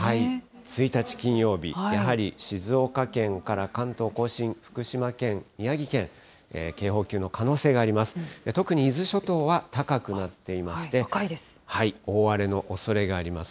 １日金曜日、やはり静岡県から関東甲信、福島県、宮城県、警報級の可能性があります。